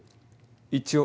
一応。